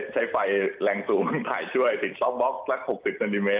ใช้ไฟแรงซูมถ่ายช่วยถึงช็อปบล็อกสัก๖๐นิมเมตร